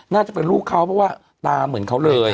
น่าจะเป็นลูกเขาเพราะว่าตาเหมือนเขาเลย